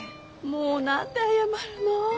もう何で謝るの。